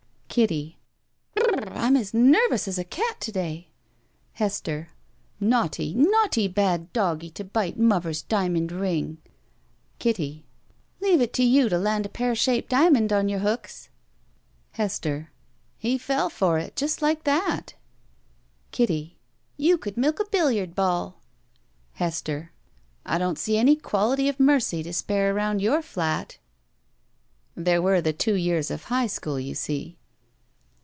Kittt: "Br r r! Tm as nervous as a cat to day." Hbstbr: "Naughty, naughty bad doggie to bite muwer's diamond ring." Kjttt: "Leave it to you to land a pear shaped diamond on your hooks." 71 BACK PAY Hbstbr: "He fell for it, just like that!" Kittt: "You could milk a billiard ball." Hbstbr: "I don't see any 'quality of mercy' to spare aroimd your flat." There were the two years of high school, you see.